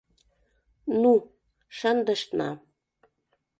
— Ну, шындышна,.